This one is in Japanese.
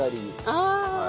ああ！